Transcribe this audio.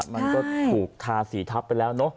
มันก็ถูกทาสีทับไปแล้วเนอะ